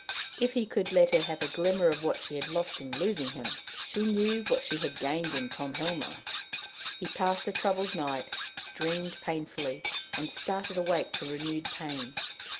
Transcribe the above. If he could but let her have a glimmer of what she had lost in losing him! She knew what she had gained in Tom Helmer. He passed a troubled night, dreamed painfully, and started awake to renewed pain.